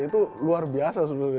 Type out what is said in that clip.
itu luar biasa sebenarnya